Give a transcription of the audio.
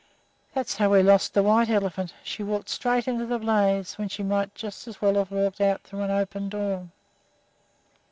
That's how we lost the white elephant. She walked straight into the blaze, when she might just as well have walked out through the open door."